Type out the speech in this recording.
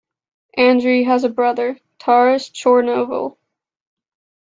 Andriy has a brother, Taras Chornovil.